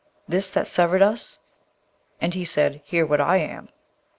this that severed us?' And he said, 'Hear what I am.'